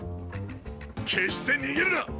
決して逃げるな！